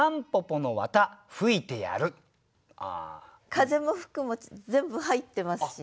「風」も「吹く」も全部入ってますしね。